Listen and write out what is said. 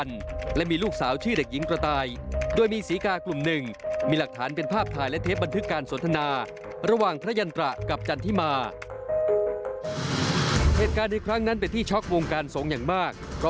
ราวของอดีตพระยันตรากันหน่อยค่ะ